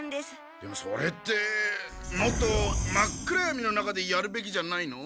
でもそれってもっと真っ暗闇の中でやるべきじゃないの？